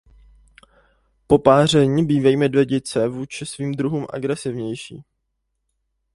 Po páření bývají medvědice vůči svým druhům agresivní.